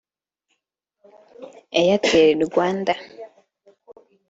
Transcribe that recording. Airtel Rwanda